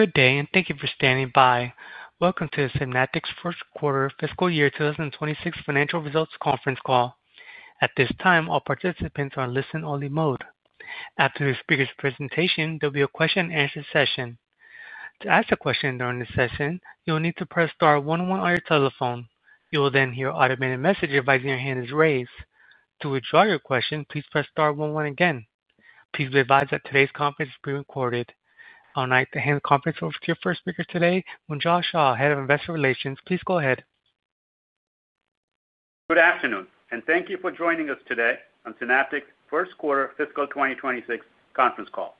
Good day, and thank you for standing by. Welcome to the Synaptics first quarter fiscal year 2026 financial results conference call. At this time, all participants are in listen-only mode. After the speaker's presentation, there will be a question-and-answer session. To ask a question during this session, you will need to press Star 11 on your telephone. You will then hear an automated message advising your hand is raised. To withdraw your question, please press Star 11 again. Please be advised that today's conference is being recorded. I'd now like to hand the conference over to your first speaker today, Munjal Shah, Head of Investor Relations. Please go ahead. Good afternoon, and thank you for joining us today on Synaptics first quarter fiscal 2026 conference call.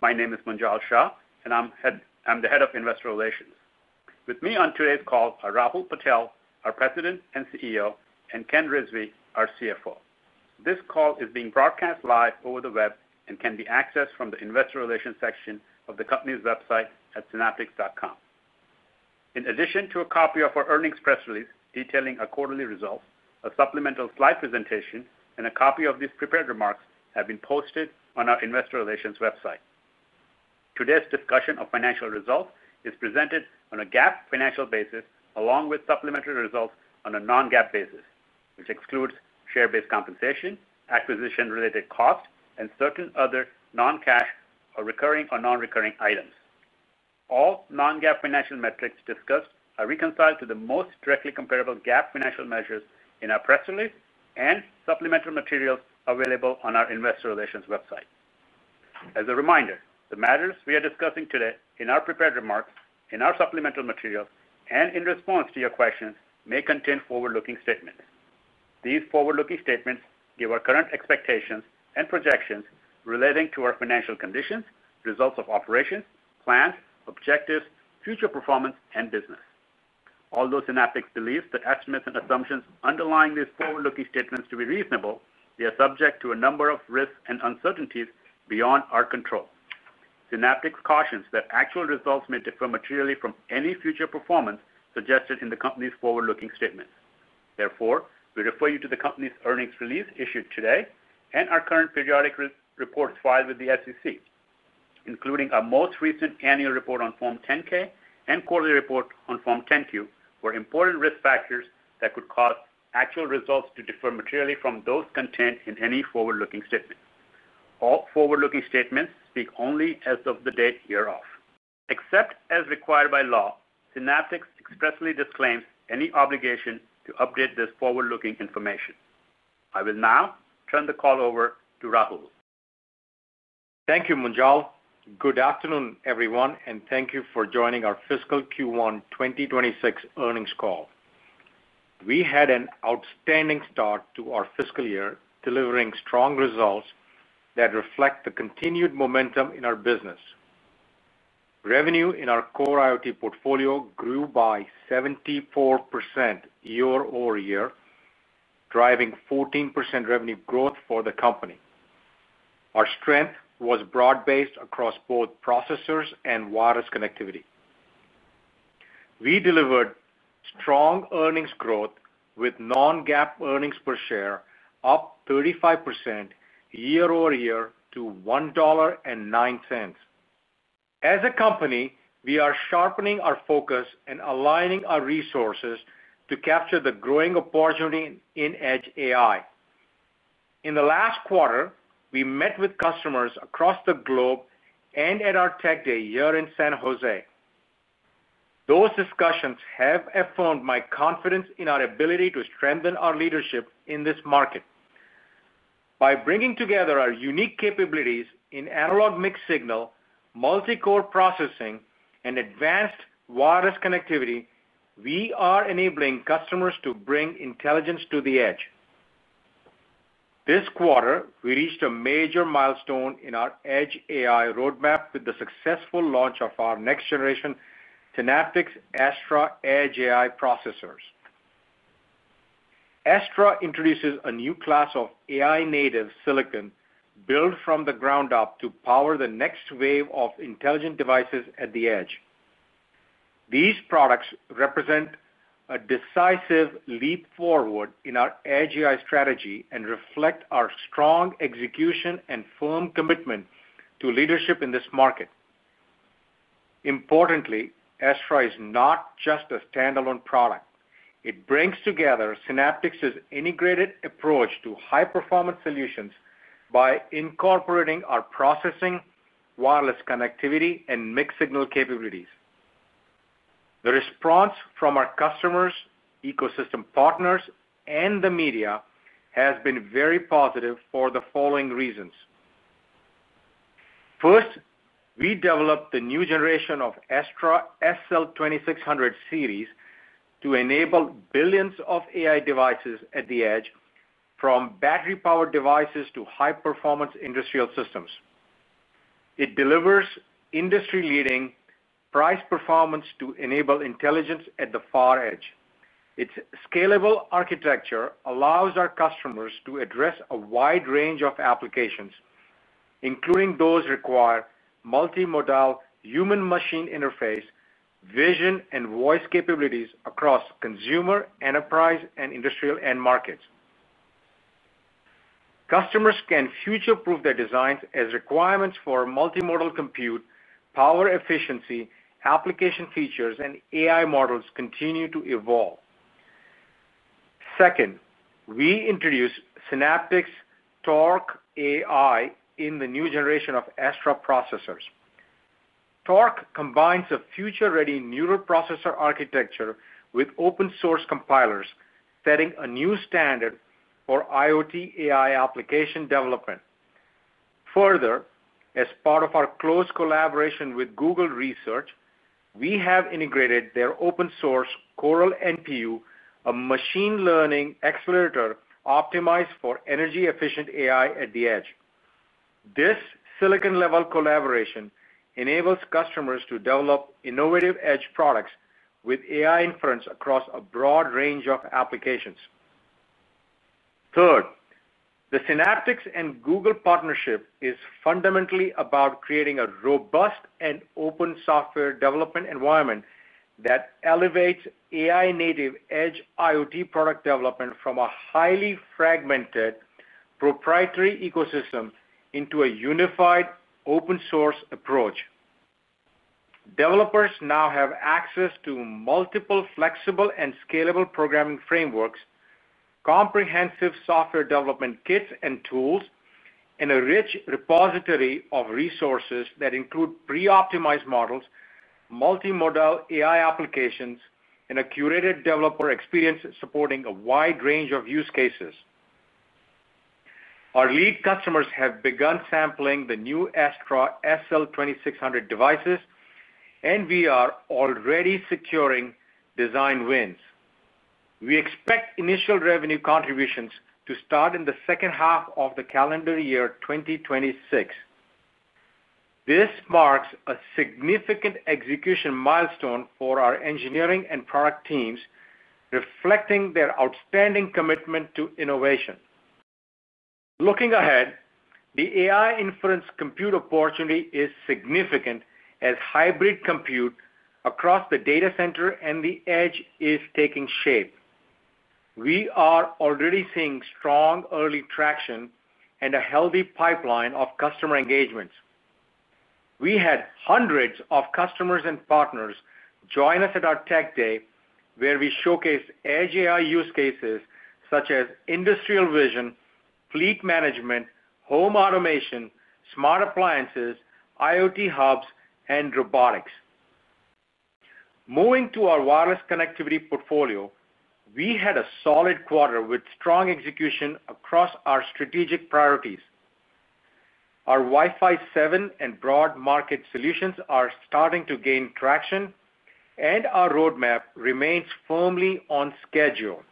My name is Munjal Shah, and I'm the Head of Investor Relations. With me on today's call are Rahul Patel, our President and CEO, and Ken Rizvi, our CFO. This call is being broadcast live over the web and can be accessed from the Investor Relations section of the company's website at synaptics.com. In addition to a copy of our earnings press release detailing our quarterly results, a supplemental slide presentation, and a copy of these prepared remarks have been posted on our Investor Relations website. Today's discussion of financial results is presented on a GAAP financial basis along with supplementary results on a non-GAAP basis, which excludes share-based compensation, acquisition-related cost, and certain other non-cash or recurring or non-recurring items. All non-GAAP financial metrics discussed are reconciled to the most directly comparable GAAP financial measures in our press release and supplemental materials available on our Investor Relations website. As a reminder, the matters we are discussing today in our prepared remarks, in our supplemental materials, and in response to your questions may contain forward-looking statements. These forward-looking statements give our current expectations and projections relating to our financial conditions, results of operations, plans, objectives, future performance, and business. Although Synaptics believes that estimates and assumptions underlying these forward-looking statements to be reasonable, they are subject to a number of risks and uncertainties beyond our control. Synaptics cautions that actual results may differ materially from any future performance suggested in the company's forward-looking statements. Therefore, we refer you to the company's earnings release issued today and our current periodic reports filed with the SEC, including our most recent annual report on Form 10-K and quarterly report on Form 10-Q, for important risk factors that could cause actual results to differ materially from those contained in any forward-looking statement. All forward-looking statements speak only as of the date hereof. Except as required by law, Synaptics expressly disclaims any obligation to update this forward-looking information. I will now turn the call over to Rahul. Thank you, Munjal. Good afternoon, everyone, and thank you for joining our fiscal Q1 2026 earnings call. We had an outstanding start to our fiscal year, delivering strong results that reflect the continued momentum in our business. Revenue in our core IoT portfolio grew by 74% year-over-year, driving 14% revenue growth for the company. Our strength was broad-based across both processors and wireless connectivity. We delivered strong earnings growth with non-GAAP earnings per share, up 35% year-over-year to $1.09. As a company, we are sharpening our focus and aligning our resources to capture the growing opportunity in edge AI. In the last quarter, we met with customers across the globe and at our Tech Day here in San Jose. Those discussions have affirmed my confidence in our ability to strengthen our leadership in this market. By bringing together our unique capabilities in analog mixed-signal, multi-core processing, and advanced wireless connectivity, we are enabling customers to bring intelligence to the edge. This quarter, we reached a major milestone in our edge AI roadmap with the successful launch of our next-generation Synaptics Astra edge AI processors. Astra introduces a new class of AI-native silicon built from the ground up to power the next wave of intelligent devices at the edge. These products represent a decisive leap forward in our edge AI strategy and reflect our strong execution and firm commitment to leadership in this market. Importantly, Astra is not just a standalone product. It brings together Synaptics's integrated approach to high-performance solutions by incorporating our processing, wireless connectivity, and mixed-signal capabilities. The response from our customers, ecosystem partners, and the media has been very positive for the following reasons. First, we developed the new generation of Astra SL2600 series to enable billions of AI devices at the edge, from battery-powered devices to high-performance industrial systems. It delivers industry-leading price performance to enable intelligence at the far edge. Its scalable architecture allows our customers to address a wide range of applications, including those that require multimodal human-machine interface, vision, and voice capabilities across consumer, enterprise, and industrial end markets. Customers can future-proof their designs as requirements for multimodal compute, power efficiency, application features, and AI models continue to evolve. Second, we introduced Synaptics Torque AI in the new generation of Astra processors. Torque combines a future-ready neural processor architecture with open-source compilers, setting a new standard for IoT AI application development. Further, as part of our close collaboration with Google Research, we have integrated their open-source Coral NPU, a machine learning accelerator optimized for energy-efficient AI at the edge. This silicon-level collaboration enables customers to develop innovative edge products with AI inference across a broad range of applications. Third, the Synaptics and Google partnership is fundamentally about creating a robust and open software development environment that elevates AI-native edge IoT product development from a highly fragmented proprietary ecosystem into a unified open-source approach. Developers now have access to multiple flexible and scalable programming frameworks, comprehensive software development kits and tools, and a rich repository of resources that include pre-optimized models, multimodal AI applications, and a curated developer experience supporting a wide range of use cases. Our lead customers have begun sampling the new Astra SL2600 devices, and we are already securing design wins. We expect initial revenue contributions to start in the second half of the calendar year 2026. This marks a significant execution milestone for our engineering and product teams, reflecting their outstanding commitment to innovation. Looking ahead, the AI-inference compute opportunity is significant as hybrid compute across the data center and the edge is taking shape. We are already seeing strong early traction and a healthy pipeline of customer engagements. We had hundreds of customers and partners join us at our Tech Day, where we showcased edge AI use cases such as industrial vision, fleet management, home automation, smart appliances, IoT hubs, and robotics. Moving to our wireless connectivity portfolio, we had a solid quarter with strong execution across our strategic priorities. Our Wi-Fi 7 and broad market solutions are starting to gain traction, and our roadmap remains firmly on schedule.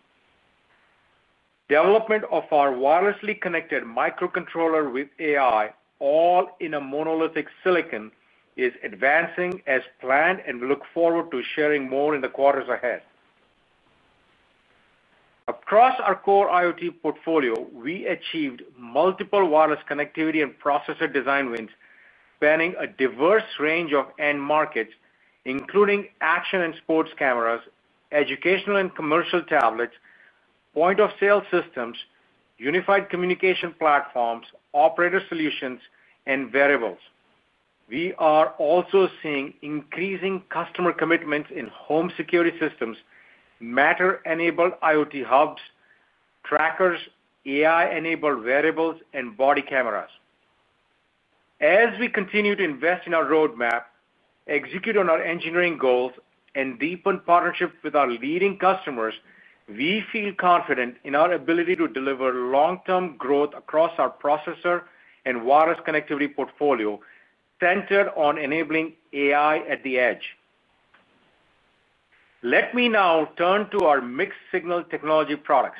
Development of our wirelessly connected microcontroller with AI, all in a monolithic silicon, is advancing as planned, and we look forward to sharing more in the quarters ahead. Across our core IoT portfolio, we achieved multiple wireless connectivity and processor design wins spanning a diverse range of end markets, including action and sports cameras, educational and commercial tablets, point-of-sale systems, unified communication platforms, operator solutions, and wearables. We are also seeing increasing customer commitments in home security systems, Matter-enabled IoT hubs, trackers, AI-enabled wearables, and body cameras. As we continue to invest in our roadmap, execute on our engineering goals, and deepen partnerships with our leading customers, we feel confident in our ability to deliver long-term growth across our processor and wireless connectivity portfolio centered on enabling AI at the edge. Let me now turn to our mixed-signal technology products.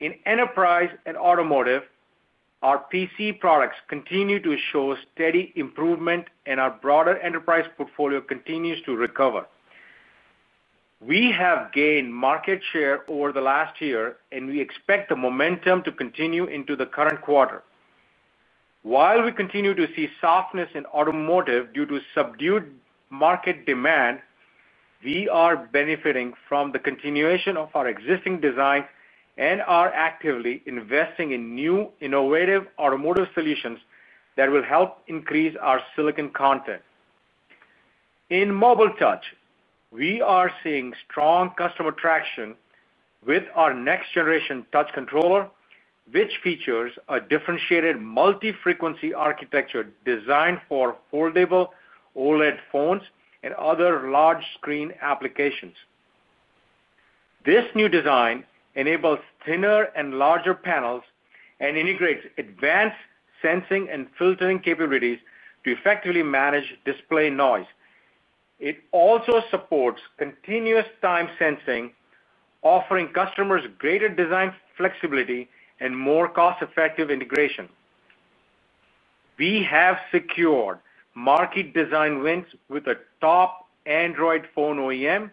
In enterprise and automotive, our PC products continue to show steady improvement, and our broader enterprise portfolio continues to recover. We have gained market share over the last year, and we expect the momentum to continue into the current quarter. While we continue to see softness in automotive due to subdued market demand, we are benefiting from the continuation of our existing design and are actively investing in new innovative automotive solutions that will help increase our silicon content. In mobile touch, we are seeing strong customer traction with our next-generation touch controller, which features a differentiated multi-frequency architecture designed for foldable OLED phones and other large-screen applications. This new design enables thinner and larger panels and integrates advanced sensing and filtering capabilities to effectively manage display noise. It also supports continuous time sensing, offering customers greater design flexibility and more cost-effective integration. We have secured market design wins with a top Android phone OEM,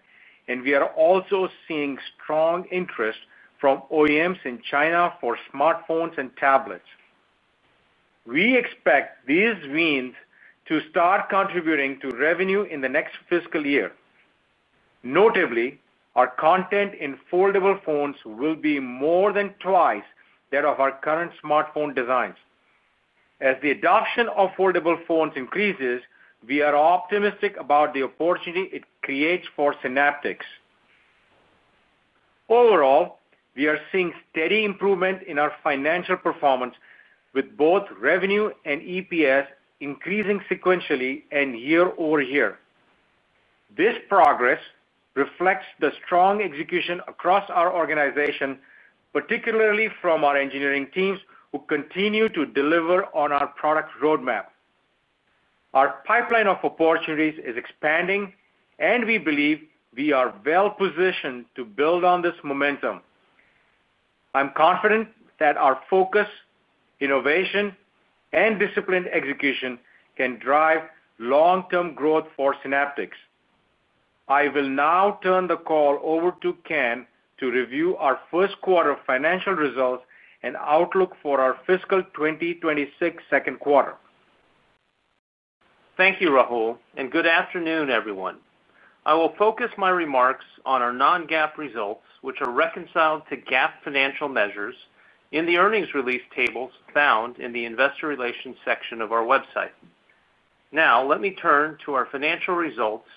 and we are also seeing strong interest from OEMs in China for smartphones and tablets. We expect these wins to start contributing to revenue in the next fiscal year. Notably, our content in foldable phones will be more than twice that of our current smartphone designs. As the adoption of foldable phones increases, we are optimistic about the opportunity it creates for Synaptics. Overall, we are seeing steady improvement in our financial performance, with both revenue and EPS increasing sequentially and year-over-year. This progress reflects the strong execution across our organization, particularly from our engineering teams, who continue to deliver on our product roadmap. Our pipeline of opportunities is expanding, and we believe we are well-positioned to build on this momentum. I'm confident that our focus, innovation, and disciplined execution can drive long-term growth for Synaptics. I will now turn the call over to Ken to review our first quarter financial results and outlook for our fiscal 2026 second quarter. Thank you, Rahul, and good afternoon, everyone. I will focus my remarks on our non-GAAP results, which are reconciled to GAAP financial measures in the earnings release tables found in the investor relations section of our website. Now, let me turn to our financial results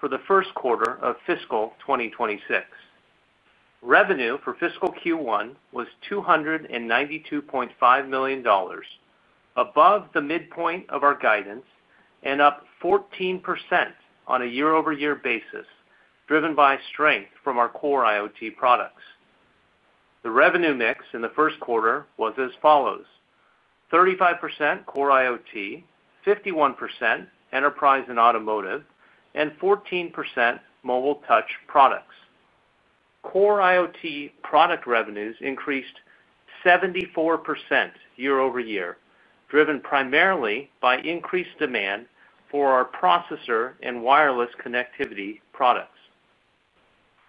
for the first quarter of fiscal 2026. Revenue for fiscal Q1 was $292.5 million. Above the midpoint of our guidance and up 14% on a year-over-year basis, driven by strength from our core IoT products. The revenue mix in the first quarter was as follows: 35% core IoT, 51% enterprise and automotive, and 14% mobile touch products. Core IoT product revenues increased 74% year-over-year, driven primarily by increased demand for our processor and wireless connectivity products.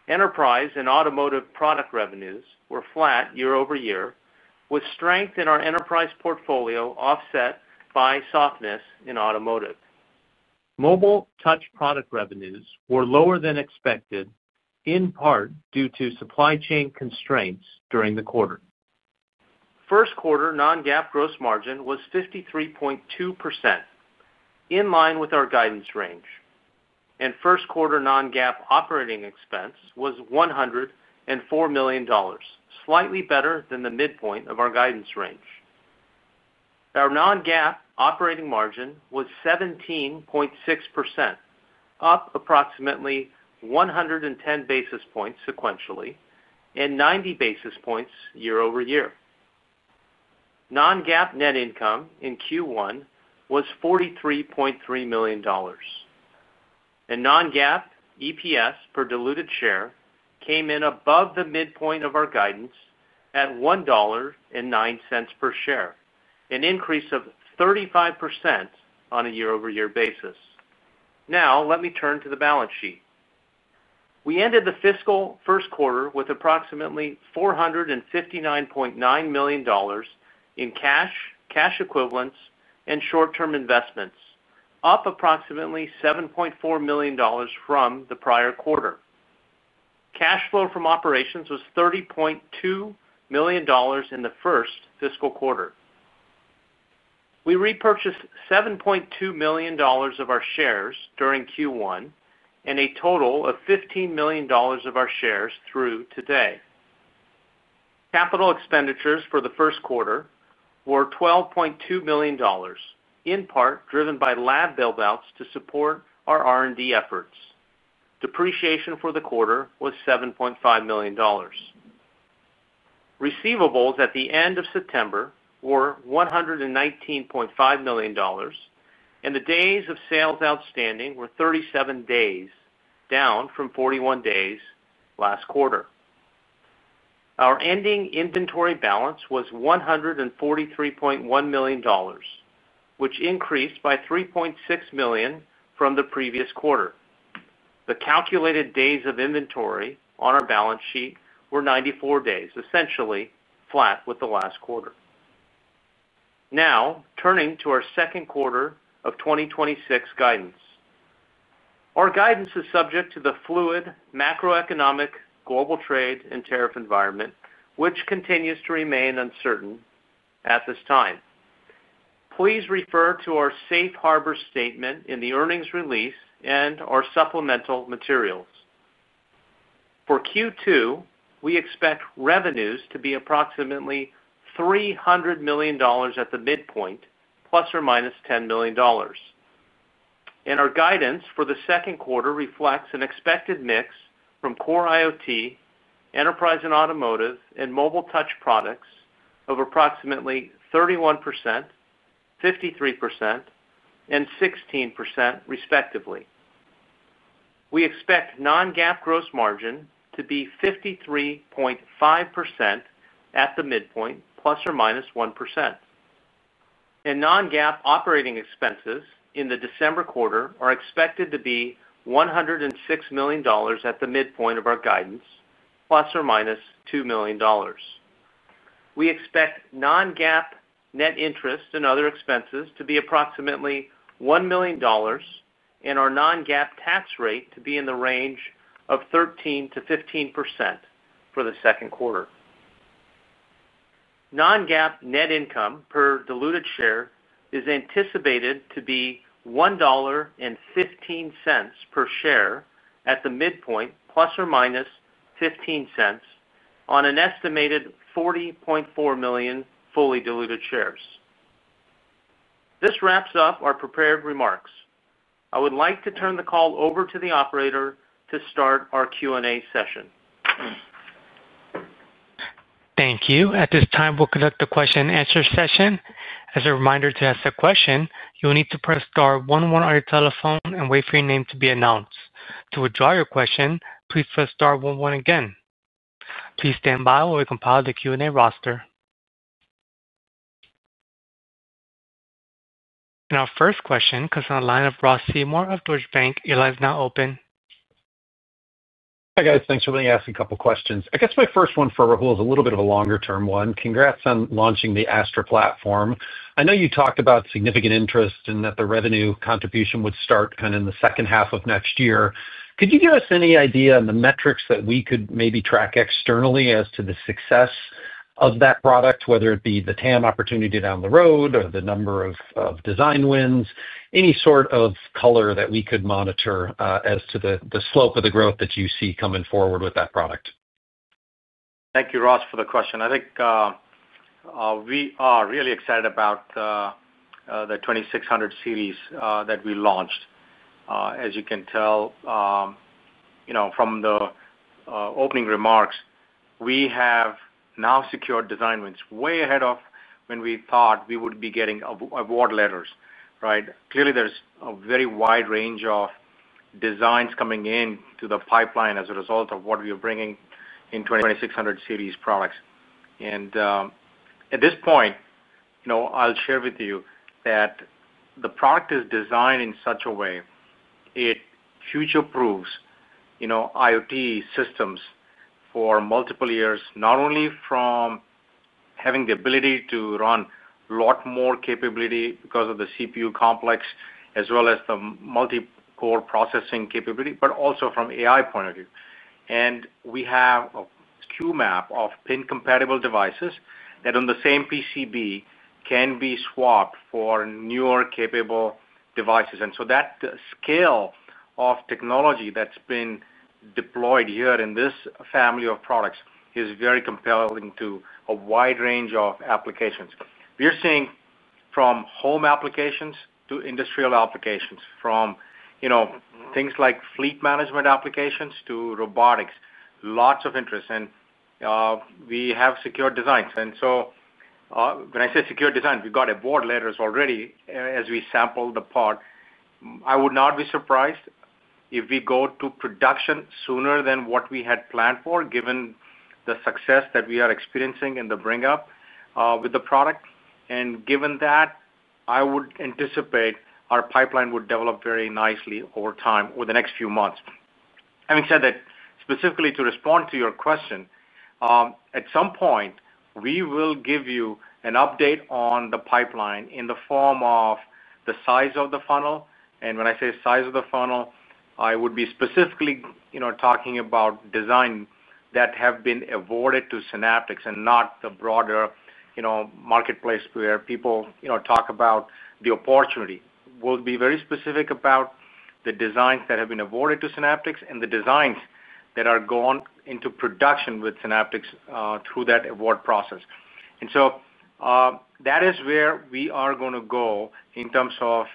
Enterprise and automotive product revenues were flat year-over-year, with strength in our enterprise portfolio offset by softness in automotive. Mobile touch product revenues were lower than expected, in part due to supply chain constraints during the quarter. First quarter non-GAAP gross margin was 53.2%, in line with our guidance range. First quarter non-GAAP operating expense was $104 million, slightly better than the midpoint of our guidance range. Our non-GAAP operating margin was 17.6%, up approximately 110 basis points sequentially and 90 basis points year-over-year. Non-GAAP net income in Q1 was $43.3 million. Non-GAAP EPS per diluted share came in above the midpoint of our guidance at $1.09 per share, an increase of 35% on a year-over-year basis. Now, let me turn to the balance sheet. We ended the fiscal first quarter with approximately $459.9 million in cash, cash equivalents, and short-term investments, up approximately $7.4 million from the prior quarter. Cash flow from operations was $30.2 million in the first fiscal quarter. We repurchased $7.2 million of our shares during Q1 and a total of $15 million of our shares through today. Capital expenditures for the first quarter were $12.2 million, in part driven by lab bailouts to support our R&D efforts. Depreciation for the quarter was $7.5 million. Receivables at the end of September were $119.5 million, and the days of sales outstanding were 37 days, down from 41 days last quarter. Our ending inventory balance was $143.1 million, which increased by $3.6 million from the previous quarter. The calculated days of inventory on our balance sheet were 94 days, essentially flat with the last quarter. Now, turning to our second quarter of 2026 guidance. Our guidance is subject to the fluid macroeconomic, global trade, and tariff environment, which continues to remain uncertain at this time. Please refer to our Safe Harbor statement in the earnings release and our supplemental materials. For Q2, we expect revenues to be approximately $300 million at the midpoint, plus or minus $10 million. Our guidance for the second quarter reflects an expected mix from core IoT, enterprise and automotive, and mobile touch products of approximately 31%, 53%, and 16%, respectively. We expect non-GAAP gross margin to be 53.5% at the midpoint, ±1%. Non-GAAP operating expenses in the December quarter are expected to be $106 million at the midpoint of our guidance, plus or minus $2 million. We expect non-GAAP net interest and other expenses to be approximately $1 million. Our non-GAAP tax rate is expected to be in the range of 13%-15% for the second quarter. Non-GAAP net income per diluted share is anticipated to be $1.15 per share at the midpoint, plus or minus $0.15 on an estimated 40.4 million fully diluted shares. This wraps up our prepared remarks. I would like to turn the call over to the operator to start our Q&A session. Thank you. At this time, we'll conduct a question-and-answer session. As a reminder, to ask a question, you'll need to press star 11 on your telephone and wait for your name to be announced. To withdraw your question, please press star 11 again. Please stand by while we compile the Q&A roster. Our first question comes from the line of Ross Seymour of Deutsche Bank. Your line is now open. Hi, guys. Thanks for letting me ask a couple of questions. I guess my first one for Rahul is a little bit of a longer-term one. Congrats on launching the Astra platform. I know you talked about significant interest in that, the revenue contribution would start kind of in the second half of next year. Could you give us any idea on the metrics that we could maybe track externally as to the success of that product, whether it be the TAM opportunity down the road or the number of design wins, any sort of color that we could monitor as to the slope of the growth that you see coming forward with that product? Thank you, Ross, for the question. I think we are really excited about the 2600 series that we launched. As you can tell from the opening remarks, we have now secured design wins way ahead of when we thought we would be getting award letters. Clearly, there is a very wide range of designs coming into the pipeline as a result of what we are bringing in 2600 series products. At this point, I'll share with you that the product is designed in such a way it future-proofs IoT systems for multiple years, not only from having the ability to run a lot more capability because of the CPU complex, as well as the multi-core processing capability, but also from an AI point of view. We have a SKU map of PIN-compatible devices that, on the same PCB, can be swapped for newer capable devices. That scale of technology that's been deployed here in this family of products is very compelling to a wide range of applications. We are seeing from home applications to industrial applications, from things like fleet management applications to robotics, lots of interest. We have secured designs. When I say secured design, we've got award letters already as we sample the part. I would not be surprised if we go to production sooner than what we had planned for, given the success that we are experiencing in the bring-up with the product. Given that, I would anticipate our pipeline would develop very nicely over time over the next few months. Having said that, specifically to respond to your question, at some point, we will give you an update on the pipeline in the form of the size of the funnel. When I say size of the funnel, I would be specifically talking about designs that have been awarded to Synaptics and not the broader marketplace where people talk about the opportunity. We will be very specific about the designs that have been awarded to Synaptics and the designs that have gone into production with Synaptics through that award process. That is where we are going to go in terms of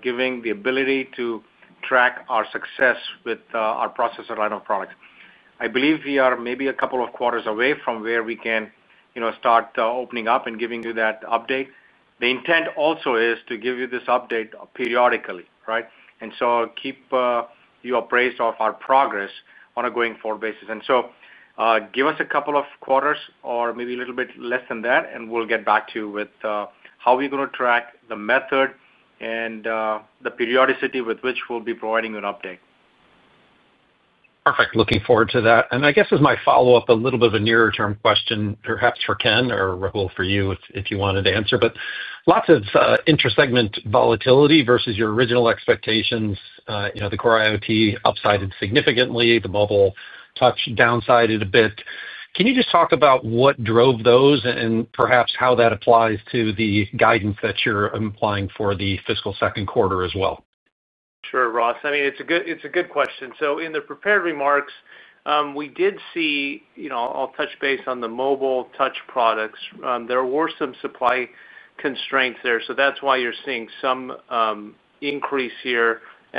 giving the ability to track our success with our processor line of products. I believe we are maybe a couple of quarters away from where we can start opening up and giving you that update. The intent also is to give you this update periodically and keep you appraised of our progress on a going-forward basis. Give us a couple of quarters or maybe a little bit less than that, and we'll get back to you with how we're going to track the method and the periodicity with which we'll be providing you an update. Perfect. Looking forward to that. I guess as my follow-up, a little bit of a nearer-term question, perhaps for Ken or Rahul for you if you wanted to answer, but lots of intersegment volatility versus your original expectations. The core IoT upsided significantly. The mobile touch downsided a bit. Can you just talk about what drove those and perhaps how that applies to the guidance that you're implying for the fiscal second quarter as well? Sure, Ross. I mean, it's a good question. In the prepared remarks, we did see—I’ll touch base on the mobile touch products—there were some supply constraints there. That’s why you’re seeing some increase here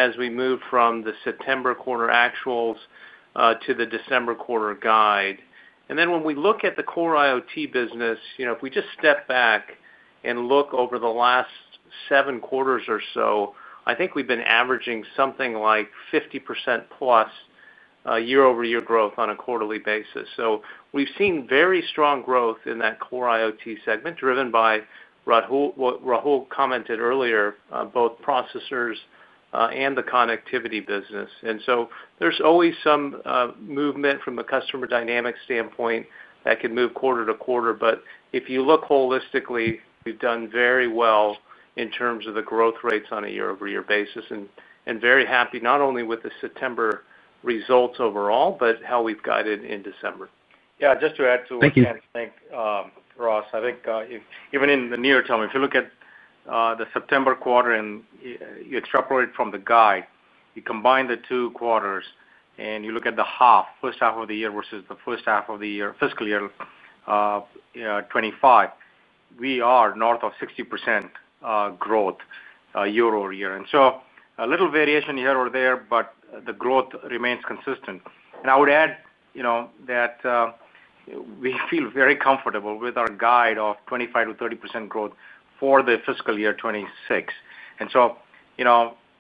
as we move from the September quarter actuals to the December quarter guide. When we look at the core IoT business, if we just step back and look over the last seven quarters or so, I think we’ve been averaging something like 50%+ year-over-year growth on a quarterly basis. We’ve seen very strong growth in that core IoT segment driven by, Rahul commented earlier, both processors and the connectivity business. There’s always some movement from the customer dynamic standpoint that can move quarter-to-quarter. If you look holistically, we've done very well in terms of the growth rates on a year-over-year basis and very happy not only with the September results overall, but how we've guided in December. Yeah. Just to add to what Ken's saying, Ross, I think even in the nearer term, if you look at the September quarter and you extrapolate from the guide, you combine the two quarters and you look at the half, first half of the year versus the first half of the year, fiscal year 2025, we are north of 60% growth year-over-year. A little variation here or there, but the growth remains consistent. I would add that we feel very comfortable with our guide of 25%-30% growth for the fiscal year 2026.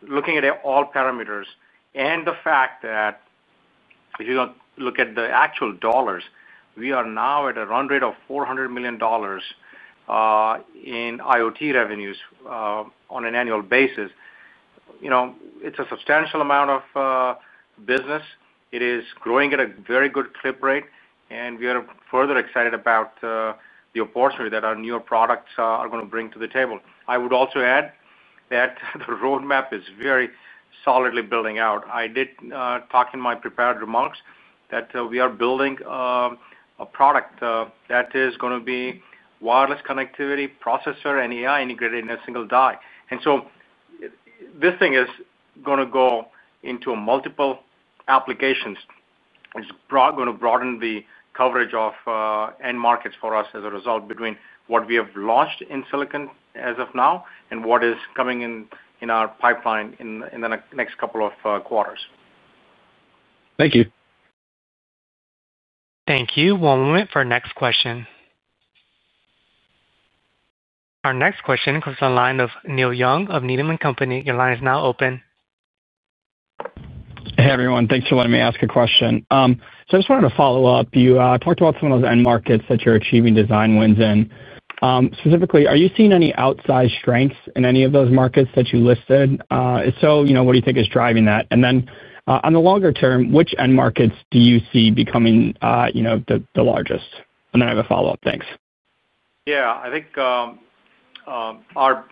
Looking at all parameters and the fact that if you do not look at the actual dollars, we are now at a run rate of $400 million in IoT revenues on an annual basis. It is a substantial amount of business. It is growing at a very good clip rate, and we are further excited about the opportunity that our newer products are going to bring to the table. I would also add that the roadmap is very solidly building out. I did talk in my prepared remarks that we are building a product that is going to be wireless connectivity, processor, and AI integrated in a single die. This thing is going to go into multiple applications. It is going to broaden the coverage of end markets for us as a result between what we have launched in silicon as of now and what is coming in our pipeline in the next couple of quarters. Thank you. Thank you. One moment for our next question. Our next question comes from the line of Neil Young of Needham & Company. Your line is now open. Hey, everyone. Thanks for letting me ask a question. I just wanted to follow up. You talked about some of those end markets that you're achieving design wins in. Specifically, are you seeing any outsized strengths in any of those markets that you listed? If so, what do you think is driving that? On the longer term, which end markets do you see becoming the largest? I have a follow-up. Thanks. Yeah. I think our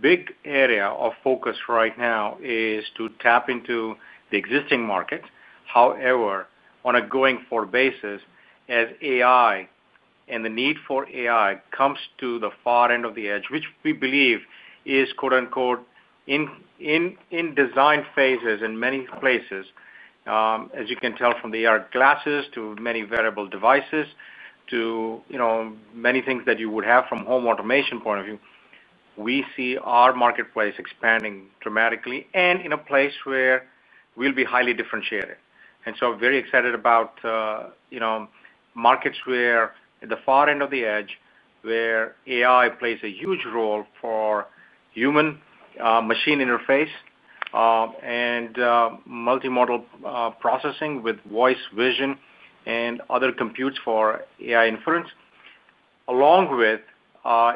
big area of focus right now is to tap into the existing markets. However, on a going-forward basis, as AI and the need for AI comes to the far end of the edge, which we believe is in design phases in many places. As you can tell from the AR glasses to many wearable devices to many things that you would have from a home automation point of view, we see our marketplace expanding dramatically and in a place where we'll be highly differentiated. I am very excited about markets where at the far end of the edge, where AI plays a huge role for human-machine interface and multimodal processing with voice, vision, and other computes for AI inference, along with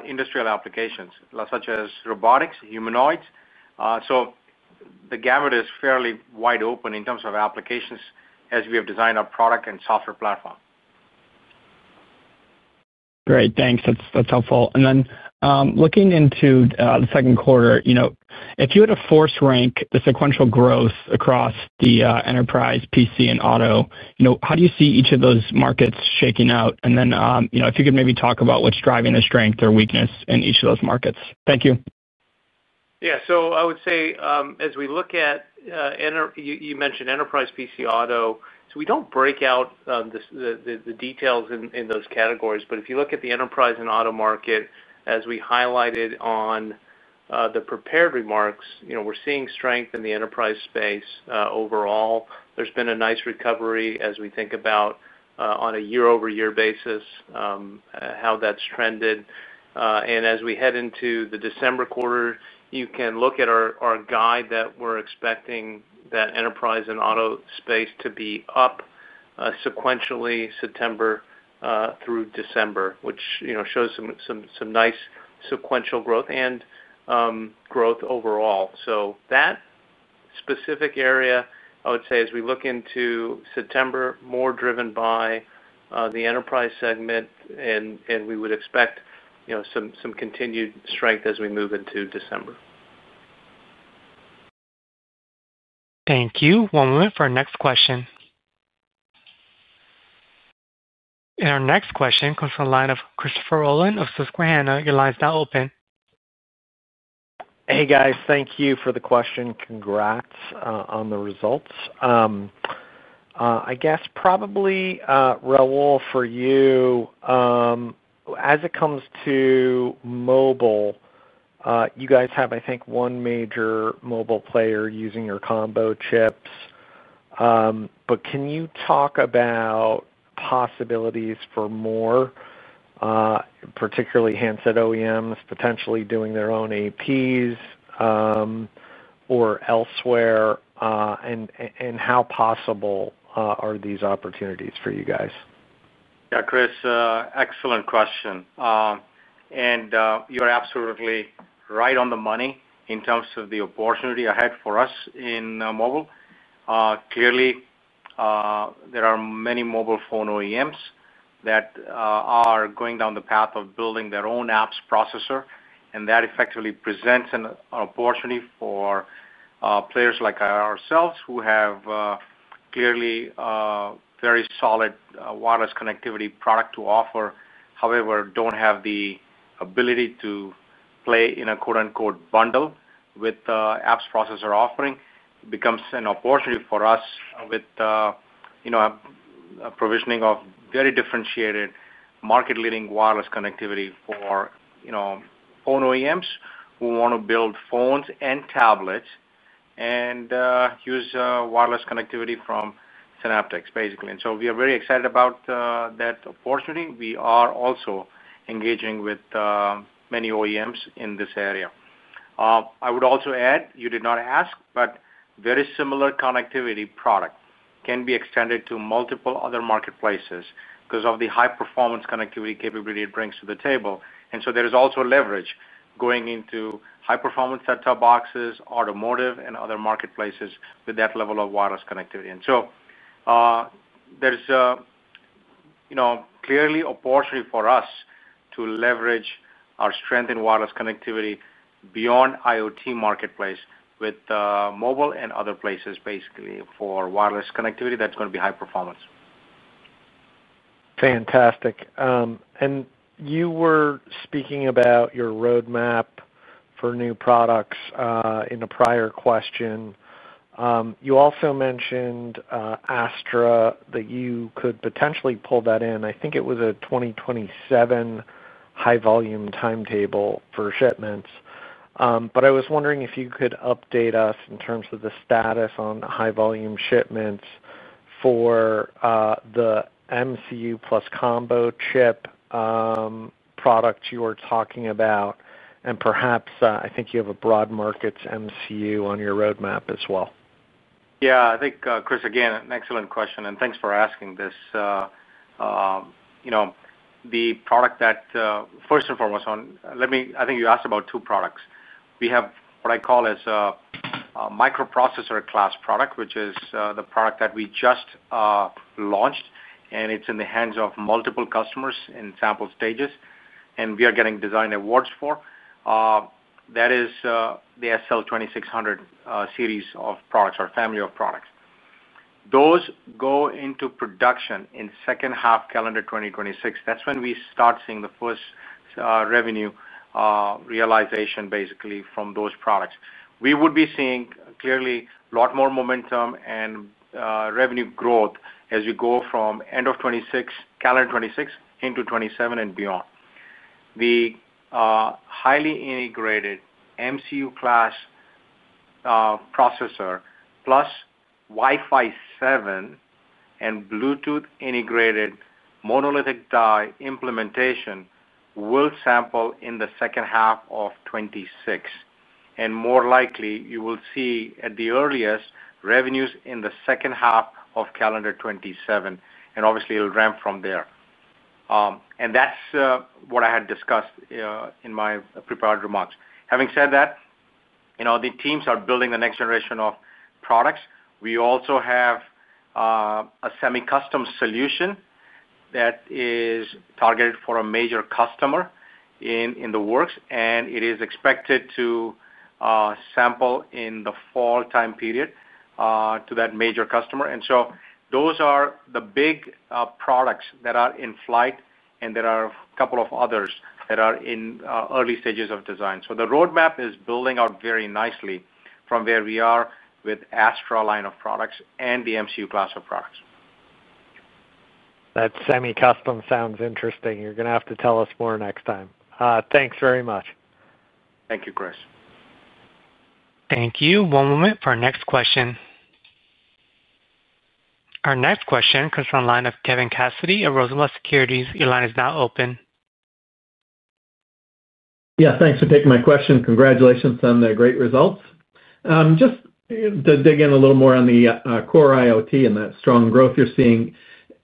industrial applications such as robotics, humanoids. The gamut is fairly wide open in terms of applications as we have designed our product and software platform. Great. Thanks. That's helpful. Looking into the second quarter, if you had to force rank the sequential growth across the enterprise, PC, and auto, how do you see each of those markets shaking out? If you could maybe talk about what's driving the strength or weakness in each of those markets. Thank you. Yeah. I would say as we look at, you mentioned enterprise, PC, auto, we do not break out the details in those categories. If you look at the enterprise and auto market, as we highlighted in the prepared remarks, we are seeing strength in the enterprise space overall. There has been a nice recovery as we think about, on a year-over-year basis, how that has trended. As we head into the December quarter, you can look at our guide that we are expecting that enterprise and auto space to be up sequentially September through December, which shows some nice sequential growth and growth overall. That specific area, I would say as we look into September, is more driven by the enterprise segment, and we would expect some continued strength as we move into December. Thank you. One moment for our next question. Our next question comes from the line of Christopher Rolland of Susquehanna. Your line is now open. Hey, guys. Thank you for the question. Congrats on the results. I guess probably, Rahul, for you. As it comes to mobile, you guys have, I think, one major mobile player using your combo chips. Can you talk about possibilities for more, particularly handset OEMs potentially doing their own APs or elsewhere? How possible are these opportunities for you guys? Yeah, Chris, excellent question. You are absolutely right on the money in terms of the opportunity ahead for us in mobile. Clearly, there are many mobile phone OEMs that are going down the path of building their own apps processor. That effectively presents an opportunity for players like ourselves who have, clearly, very solid wireless connectivity product to offer, however, do not have the ability to play in a "bundle" with the apps processor offering. It becomes an opportunity for us with a provisioning of very differentiated market-leading wireless connectivity for phone OEMs who want to build phones and tablets and use wireless connectivity from Synaptics, basically. We are very excited about that opportunity. We are also engaging with many OEMs in this area. I would also add, you did not ask, but very similar connectivity product can be extended to multiple other marketplaces because of the high-performance connectivity capability it brings to the table. There is also leverage going into high-performance set-top boxes, automotive, and other marketplaces with that level of wireless connectivity. There is clearly opportunity for us to leverage our strength in wireless connectivity beyond IoT marketplace with mobile and other places, basically, for wireless connectivity that's going to be high performance. Fantastic. You were speaking about your roadmap for new products in a prior question. You also mentioned Astra, that you could potentially pull that in. I think it was a 2027 high-volume timetable for shipments. I was wondering if you could update us in terms of the status on high-volume shipments for the MCU plus combo chip product you were talking about. Perhaps I think you have a broad markets MCU on your roadmap as well. Yeah. I think, Chris, again, an excellent question. Thanks for asking this. The product that, first and foremost, I think you asked about two products. We have what I call a microprocessor class product, which is the product that we just launched, and it's in the hands of multiple customers in sample stages. We are getting design awards for that. That is the SL2600 series of products, our family of products. Those go into production in the second half of calendar 2026. That's when we start seeing the first revenue realization, basically, from those products. We would be seeing clearly a lot more momentum and revenue growth as we go from end of calendar 2026 into 2027 and beyond. The highly integrated MCU class processor plus Wi-Fi 7 and Bluetooth-integrated monolithic die implementation will sample in the second half of 2026. More likely, you will see at the earliest revenues in the second half of calendar 2027. Obviously, it will ramp from there. That is what I had discussed in my prepared remarks. Having said that, the teams are building the next generation of products. We also have a semi-custom solution that is targeted for a major customer in the works, and it is expected to sample in the fall time period to that major customer. Those are the big products that are in flight, and there are a couple of others that are in early stages of design. The roadmap is building out very nicely from where we are with the Astra line of products and the MCU class of products. That semi-custom sounds interesting. You're going to have to tell us more next time. Thanks very much. Thank you, Chris. Thank you. One moment for our next question. Our next question comes from the line of Kevin Cassidy of Rosenblatt Securities. Your line is now open. Yeah. Thanks for taking my question. Congratulations on the great results. Just to dig in a little more on the core IoT and that strong growth you're seeing.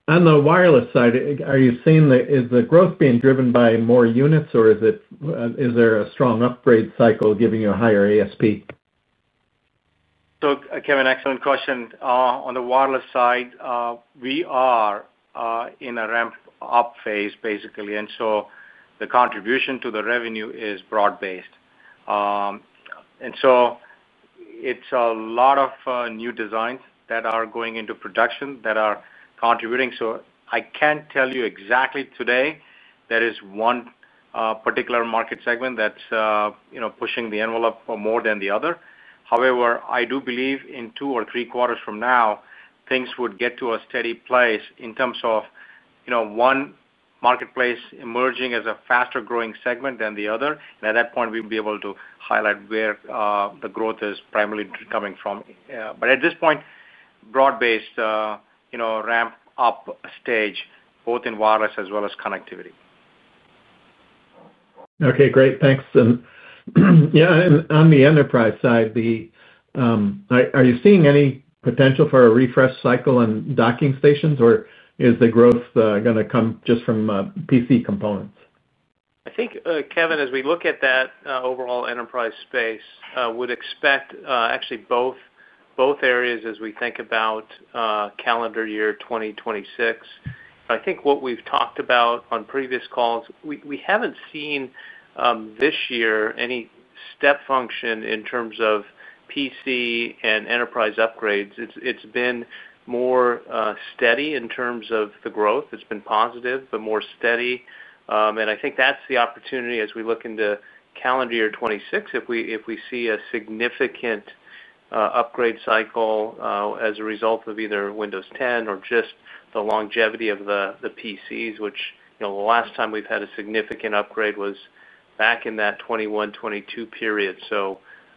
On the wireless side, are you seeing the growth being driven by more units, or is there a strong upgrade cycle giving you a higher ASP? Kevin, excellent question. On the wireless side, we are in a ramp-up phase, basically. The contribution to the revenue is broad-based. It is a lot of new designs that are going into production that are contributing. I cannot tell you exactly today there is one particular market segment that is pushing the envelope more than the other. However, I do believe in two or three quarters from now, things would get to a steady place in terms of one marketplace emerging as a faster-growing segment than the other. At that point, we would be able to highlight where the growth is primarily coming from. At this point, broad-based ramp-up stage, both in wireless as well as connectivity. Okay. Great. Thanks. Yeah. On the enterprise side, are you seeing any potential for a refresh cycle on docking stations, or is the growth going to come just from PC components? I think, Kevin, as we look at that overall enterprise space, we would expect actually both areas as we think about calendar year 2026. I think what we've talked about on previous calls, we haven't seen this year any step function in terms of PC and enterprise upgrades. It's been more steady in terms of the growth. It's been positive, but more steady. I think that's the opportunity as we look into calendar year 2026, if we see a significant upgrade cycle as a result of either Windows 10 or just the longevity of the PCs, which the last time we've had a significant upgrade was back in that 2021, 2022 period.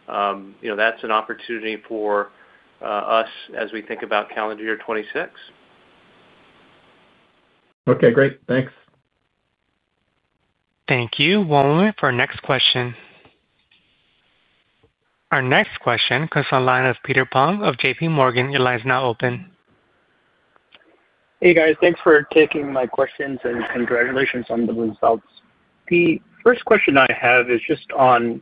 That's an opportunity for us as we think about calendar year 2026. Okay. Great. Thanks. Thank you. One moment for our next question. Our next question comes from the line of Peter Pahl of JPMorgan. Your line is now open. Hey, guys. Thanks for taking my questions, and congratulations on the results. The first question I have is just on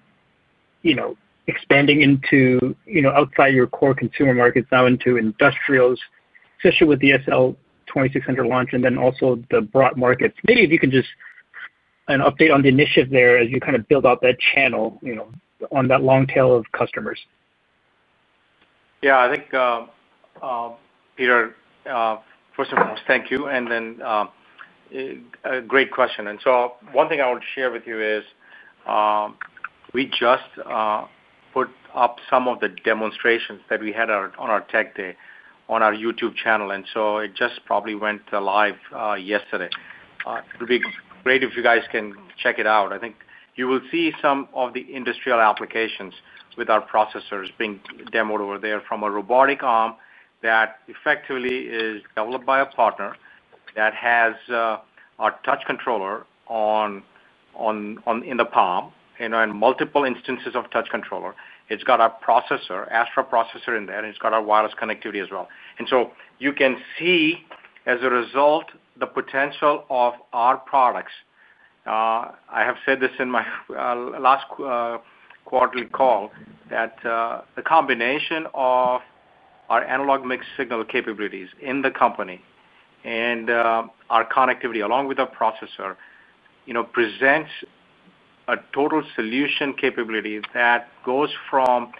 expanding outside your core consumer markets, now into industrials, especially with the SL2600 launch, and then also the broad markets. Maybe if you can just give an update on the initiative there as you kind of build out that channel on that long tail of customers. Yeah. I think. Peter, first and foremost, thank you. A great question. One thing I want to share with you is we just put up some of the demonstrations that we had on our tech day on our YouTube channel. It just probably went live yesterday. It would be great if you guys can check it out. I think you will see some of the industrial applications with our processors being demoed over there from a robotic arm that effectively is developed by a partner that has a touch controller in the palm and multiple instances of touch controller. It has got our processor, Astra processor, in there, and it has got our wireless connectivity as well. You can see, as a result, the potential of our products. I have said this in my last quarterly call, that the combination of. Our analog mixed-signal capabilities in the company, and our connectivity, along with our processor, present a total solution capability that goes from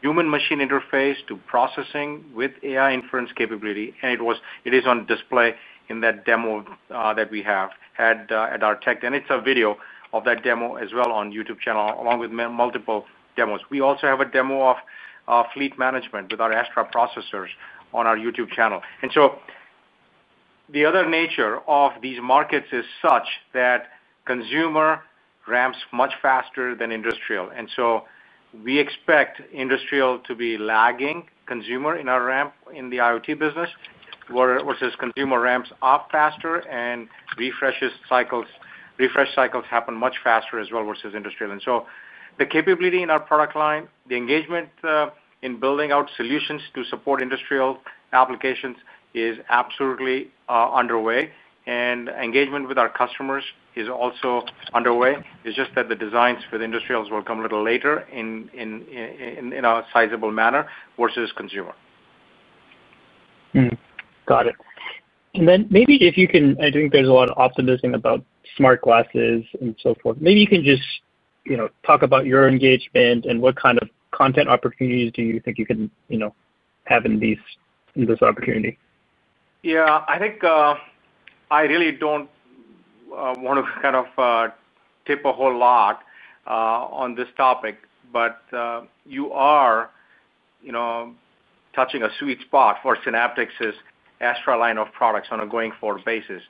human-machine interface to processing with AI inference capability. It is on display in that demo that we have had at our tech event, and there is a video of that demo as well on our YouTube channel, along with multiple demos. We also have a demo of fleet management with our Astra processors on our YouTube channel. The other nature of these markets is such that consumer ramps much faster than industrial. We expect industrial to be lagging consumer in our ramp in the IoT business, versus consumer ramps up faster and refresh cycles happen much faster as well versus industrial. The capability in our product line, the engagement in building out solutions to support industrial applications, is absolutely underway. Engagement with our customers is also underway. It's just that the designs for the industrials will come a little later, in a sizable manner versus consumer. Got it. Maybe if you can, I think there's a lot of optimism about smart glasses and so forth. Maybe you can just talk about your engagement and what kind of content opportunities do you think you can have in this opportunity. Yeah. I think. I really don't want to kind of tip a whole lot on this topic, but you are touching a sweet spot for Synaptics' Astra line of products on a going-forward basis.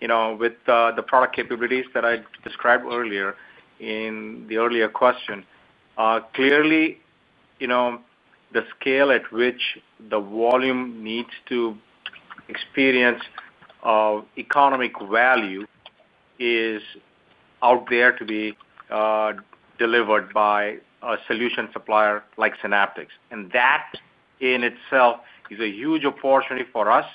With the product capabilities that I described earlier in the earlier question, clearly the scale at which the volume needs to experience of economic value is out there to be delivered by a solution supplier like Synaptics. That in itself is a huge opportunity for us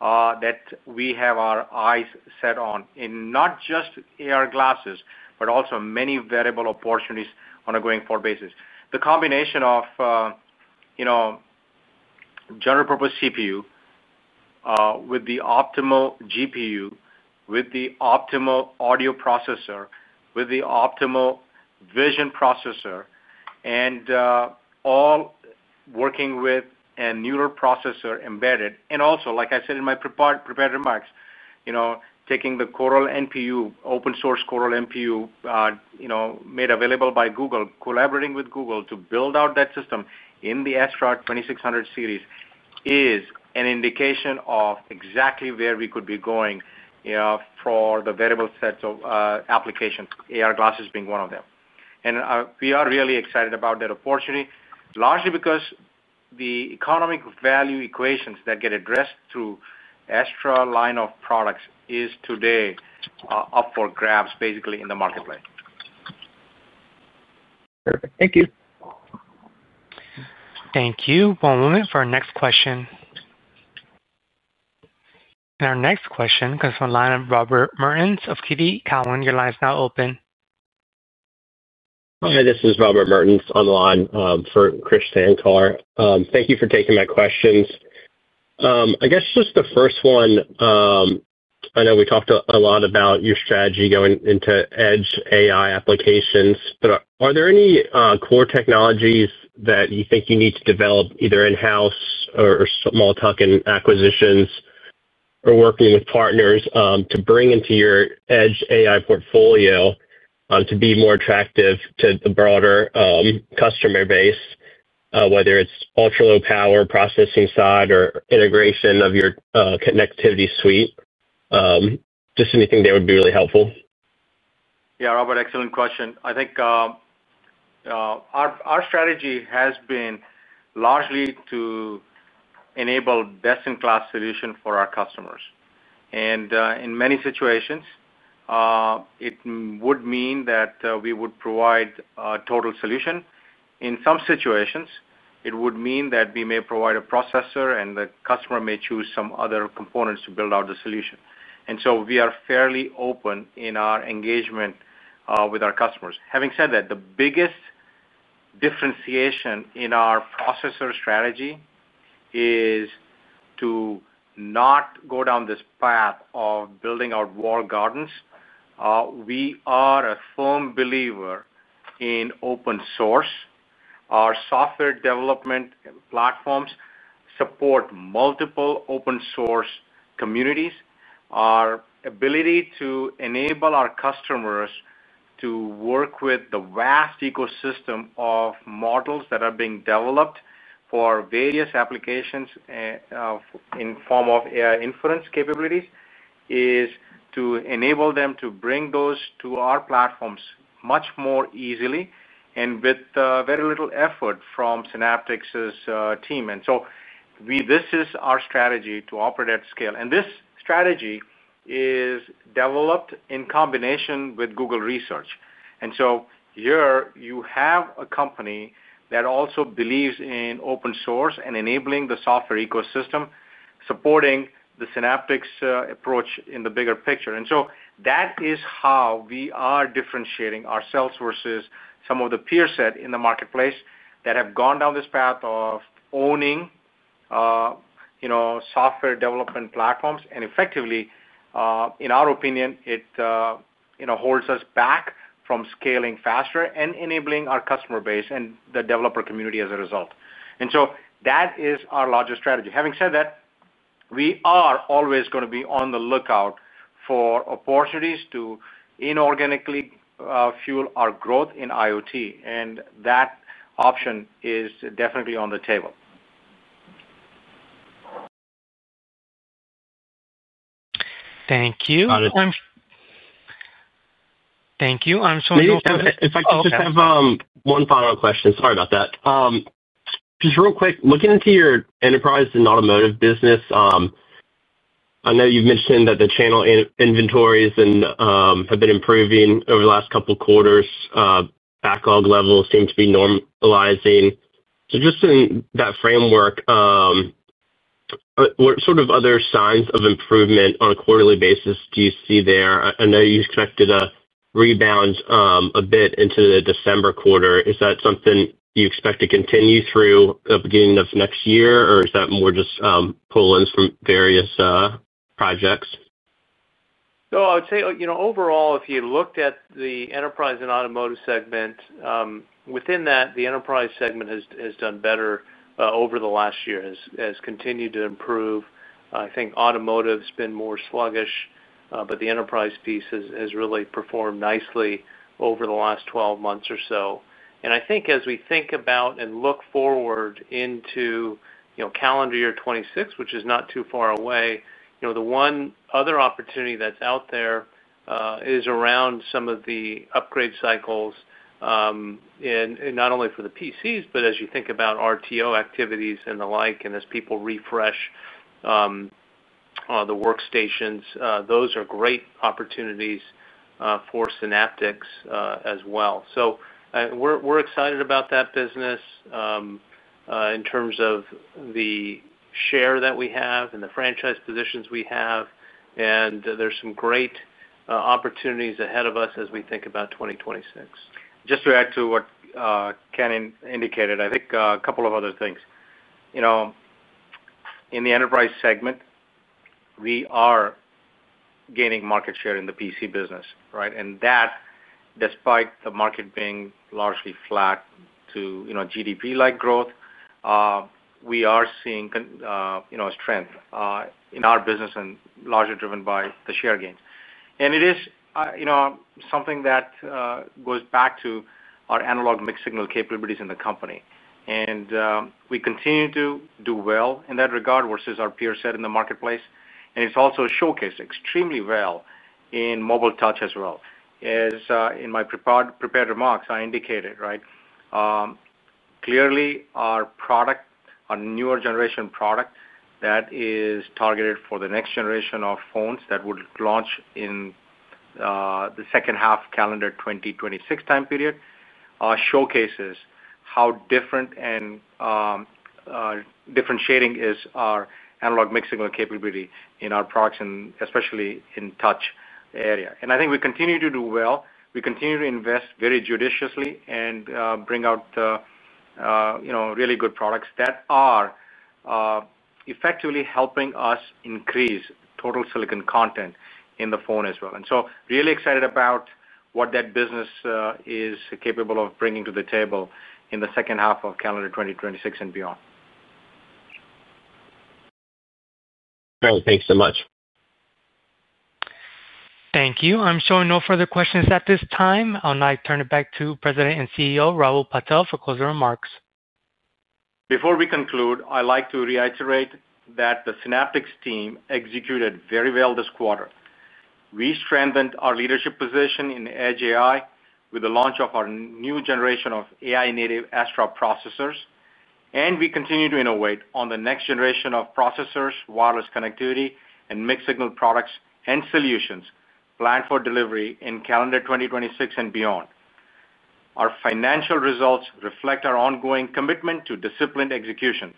that we have our eyes set on, and not just AR glasses, but also many variable opportunities on a going-forward basis. The combination of general-purpose CPU with the optimal GPU, with the optimal audio processor, with the optimal vision processor, and all working with a neural processor embedded. Also, like I said in my prepared remarks, taking the open-source Coral NPU. Made available by Google, collaborating with Google to build out that system in the Astra SL2600 series, is an indication of exactly where we could be going. For the variable sets of applications, AR glasses being one of them. We are really excited about that opportunity, largely because the economic value equations that get addressed through Astra line of products is today up for grabs, basically, in the marketplace. Perfect. Thank you. Thank you. One moment for our next question. Our next question comes from the line of Robert Mertens of TD Cowen. Your line is now open. Hi. This is Robert Mertens on the line for Krish Sankar. Thank you for taking my questions. I guess just the first one. I know we talked a lot about your strategy going into edge AI applications, but are there any core technologies that you think you need to develop either in-house or small tuck-in acquisitions or working with partners to bring into your edge AI portfolio to be more attractive to a broader customer base, whether it's ultra-low-power processing side or integration of your connectivity suite? Just anything there would be really helpful. Yeah. Robert, excellent question. I think our strategy has been largely to enable best-in-class solution for our customers. In many situations, it would mean that we would provide a total solution. In some situations, it would mean that we may provide a processor, and the customer may choose some other components to build out the solution. We are fairly open in our engagement with our customers. Having said that, the biggest differentiation in our processor strategy is to not go down this path of building out walled gardens. We are a firm believer in open source. Our software development platforms support multiple open-source communities. Our ability to enable our customers to work with the vast ecosystem of models that are being developed for various applications. In the form of AI inference capabilities is to enable them to bring those to our platforms much more easily and with very little effort from Synaptics' team. This is our strategy to operate at scale. This strategy is developed in combination with Google Research. Here, you have a company that also believes in open source and enabling the software ecosystem, supporting the Synaptics approach in the bigger picture. That is how we are differentiating ourselves versus some of the peerset in the marketplace that have gone down this path of owning software development platforms. Effectively, in our opinion, it holds us back from scaling faster and enabling our customer base and the developer community as a result. That is our larger strategy. Having said that, we are always going to be on the lookout for opportunities to inorganically fuel our growth in IoT. That option is definitely on the table. Thank you. Thank you. I'm sorry. If I can just have one final question. Sorry about that. Just real quick, looking into your enterprise and automotive business. I know you've mentioned that the channel inventories have been improving over the last couple of quarters. Backlog levels seem to be normalizing. Just in that framework, what sort of other signs of improvement on a quarterly basis do you see there? I know you've connected a rebound a bit into the December quarter. Is that something you expect to continue through the beginning of next year, or is that more just pull-ins from various projects? I would say overall, if you looked at the enterprise and automotive segment. Within that, the enterprise segment has done better over the last year, has continued to improve. I think automotive has been more sluggish, but the enterprise piece has really performed nicely over the last 12 months or so. I think as we think about and look forward into calendar year 2026, which is not too far away, the one other opportunity that's out there is around some of the upgrade cycles. Not only for the PCs, but as you think about RTO activities and the like, and as people refresh the workstations, those are great opportunities for Synaptics as well. We're excited about that business. In terms of the share that we have and the franchise positions we have. There's some great opportunities ahead of us as we think about 2026. Just to add to what Ken indicated, I think a couple of other things. In the enterprise segment, we are gaining market share in the PC business, right? That, despite the market being largely flat to GDP-like growth, we are seeing a strength in our business and largely driven by the share gains. It is something that goes back to our analog mixed-signal capabilities in the company, and we continue to do well in that regard versus our peer set in the marketplace. It is also showcased extremely well in mobile touch as well. As in my prepared remarks, I indicated, right? Clearly, our newer generation product that is targeted for the next generation of phones that would launch in the second half calendar 2026 time period showcases how different and differentiating is our analog mixed-signal capability in our products, and especially in touch area. I think we continue to do well. We continue to invest very judiciously and bring out really good products that are effectively helping us increase total silicon content in the phone as well. I am really excited about what that business is capable of bringing to the table in the second half of calendar 2026 and beyond. Thanks so much. Thank you. I'm showing no further questions at this time. I'll now turn it back to President and CEO Rahul Patel for closing remarks. Before we conclude, I'd like to reiterate that the Synaptics team executed very well this quarter. We strengthened our leadership position in edge AI with the launch of our new generation of AI-native Astra processors. We continue to innovate on the next generation of processors, wireless connectivity, and mixed signal products and solutions planned for delivery in calendar 2026 and beyond. Our financial results reflect our ongoing commitment to disciplined execution.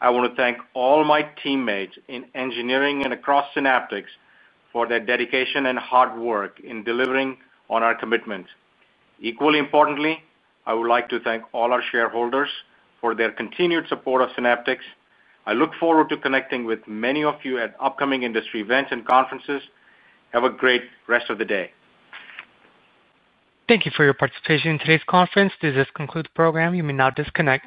I want to thank all my teammates in engineering and across Synaptics for their dedication and hard work in delivering on our commitments. Equally importantly, I would like to thank all our shareholders for their continued support of Synaptics. I look forward to connecting with many of you at upcoming industry events and conferences. Have a great rest of the day. Thank you for your participation in today's conference. This does conclude the program. You may now disconnect.